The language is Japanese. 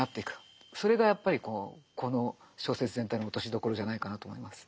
それがやっぱりこの小説全体の落としどころじゃないかなと思います。